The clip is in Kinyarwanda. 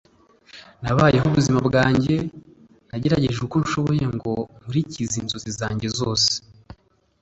nabayeho ubuzima bwanjye, nagerageje uko nshoboye ngo nkurikize inzozi zanjye zose